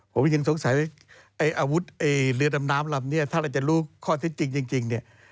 ผมยังสงสัยว่าอาวุธเลือดลำนีรัมท์นี้ท่านอาจลูคข้อนที่จริงจริง